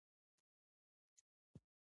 ایا زما تلي به ښه شي؟